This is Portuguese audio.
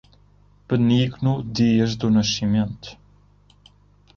Benigno Dias do Nascimento